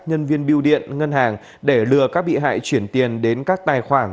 nhân viên biêu điện ngân hàng để lừa các bị hại chuyển tiền đến các tài khoản